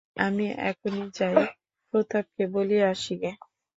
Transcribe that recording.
আমি এখনই যাই, প্রতাপকে বলিয়া আসি গে!